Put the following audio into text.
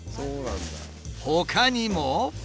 ほかにも。